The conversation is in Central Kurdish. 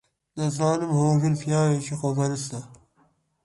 دەزانم هۆگر پیاوێکی خۆپەرستە.